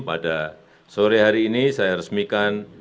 pada sore hari ini saya resmikan